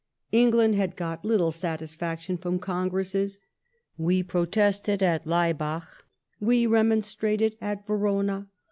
England had got little satisfaction from congresses :'* We protested at Lay bach ; we remonstrated at Verona.